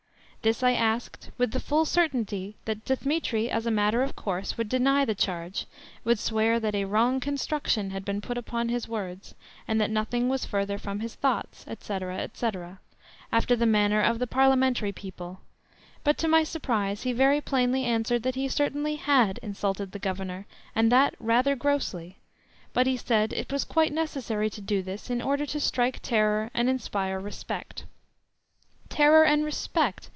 This I asked with the full certainty that Dthemetri, as a matter of course, would deny the charge, would swear that a "wrong construction had been put upon his words, and that nothing was further from his thoughts," &c. &c., after the manner of the parliamentary people, but to my surprise he very plainly answered that he certainly had insulted the Governor, and that rather grossly, but, he said, it was quite necessary to do this in order to "strike terror and inspire respect." "Terror and respect!